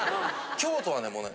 京都はねもうね。